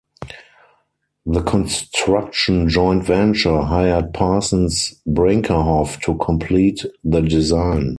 The construction joint venture hired Parsons Brinckerhoff to complete the design.